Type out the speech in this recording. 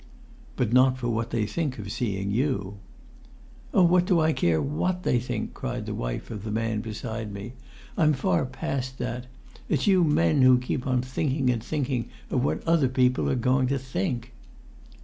"But not for what they think of seeing you." "Oh! what do I care what they think?" cried the wife of the man beside me. "I'm far past that. It's you men who keep on thinking and thinking of what other people are going to think!"